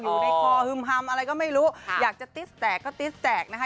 อยู่ในคอฮึมฮำอะไรก็ไม่รู้อยากจะติ๊สแตกก็ติ๊สแตกนะคะ